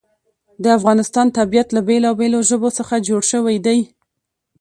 د افغانستان طبیعت له بېلابېلو ژبو څخه جوړ شوی دی.